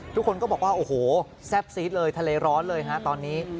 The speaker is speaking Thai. ทุกคนก็บอกว่าโอ้โหแซ่บซีดเลยทะเลร้อนเลยฮะตอนนี้